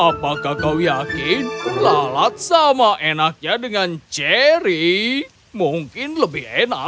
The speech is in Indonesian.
apakah kau yakin lalat sama enaknya dengan cherry mungkin lebih enak